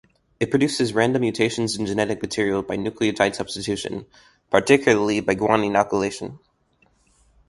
It produces random mutations in genetic material by nucleotide substitution; particularly by guanine alkylation.